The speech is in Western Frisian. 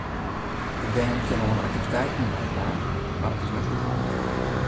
De bern kinne oan aktiviteiten meidwaan, mar it is net ferplicht.